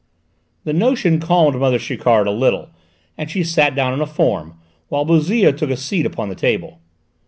The notion calmed mother Chiquard a little, and she sat down on a form, while Bouzille took a seat upon the table.